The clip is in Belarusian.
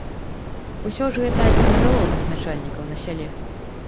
Усё ж гэта адзін з галоўных начальнікаў на сяле.